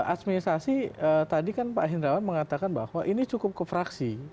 administrasi tadi kan pak hendrawan mengatakan bahwa ini cukup ke fraksi